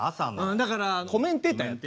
だからコメンテーターやって。